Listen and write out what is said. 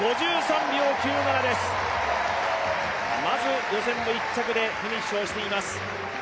５３秒９７です、まず予選の１着でフィニッシュしています。